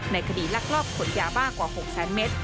ในคดีลักลอบขนยาบ้ากว่า๖แสนเมตร